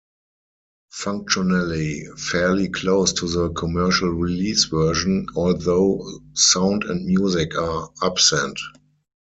Functionally fairly close to the commercial release version, although sound and music are absent.